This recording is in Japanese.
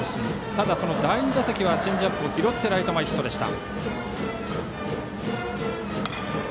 ただ第２打席はチェンジアップを拾ってライト前ヒットでした。